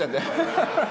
ハハハハ！